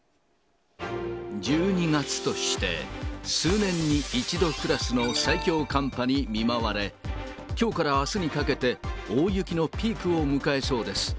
１２月として数年に一度クラスの最強寒波に見舞われ、きょうからあすにかけて、大雪のピークを迎えそうです。